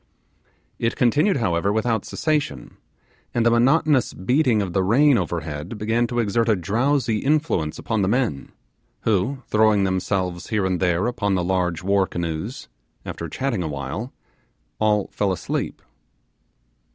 It continued, however, without cessation; and the monotonous beating of the rain over head began to exert a drowsy influence upon the men, who, throwing themselves here and there upon the large war canoes, after chatting awhile, all fell asleep.